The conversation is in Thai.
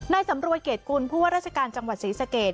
สำรวยเกรดกุลผู้ว่าราชการจังหวัดศรีสเกต